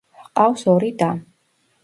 ჰყავს ორი და.